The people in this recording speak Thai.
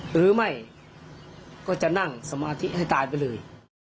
หรือไม่ก็จะนั่งสมาธิให้ตายไปเลย